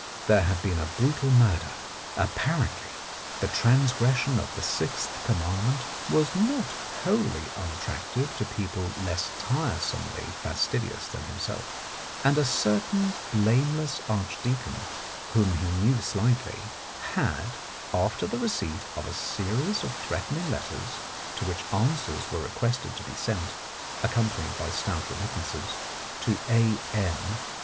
There had been a brutal murder — apparently the transgression of the sixth commandment was not wholly unattractive to people less tiresomely fastidi ous than himself — and a certain blameless archdeacon whom he knew slightly had, after the receipt of a series of threatening letters, to which answers were requested to be sent (accompanied by stout remit tances) to A. M.